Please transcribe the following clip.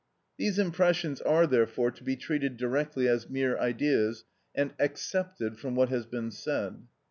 These impressions are, therefore, to be treated directly as mere ideas, and excepted from what has been said.